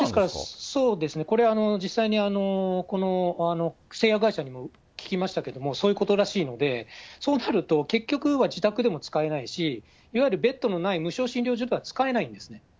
これは実際に、製薬会社にも聞きましたけども、そういうことらしいので、そうなると結局は自宅でも使えないし、いわゆるベッドのない無床診療所では使えないんですね。